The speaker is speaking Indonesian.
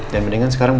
dan dengan sekarang